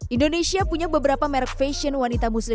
indonesia punya beberapa merek fashion wanita muslim